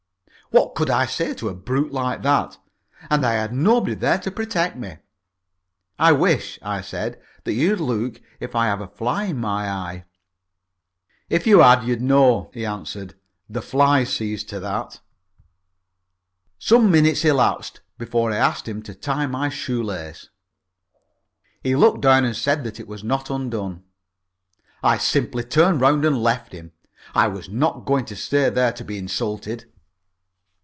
What could I say to a brute like that? And I had nobody there to protect me. "I wish," I said, "that you'd look if I've a fly in my eye." "If you had, you'd know," he answered. "The fly sees to that." Some minutes elapsed before I asked him to tie my shoe lace. He looked down and said that it was not undone. I simply turned round and left him, I was not going to stay there to be insulted.